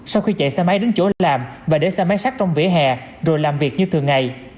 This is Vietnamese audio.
sau khi chạy xe máy đến chỗ làm và để xe máy sắt trong vỉa hè rồi làm việc như thường ngày